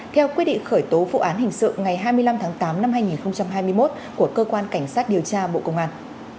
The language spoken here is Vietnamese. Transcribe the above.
theo quyết định khởi tố vụ án hình sự ngày hai mươi năm tháng tám năm hai nghìn hai mươi một của cơ quan cảnh sát điều tra bộ công an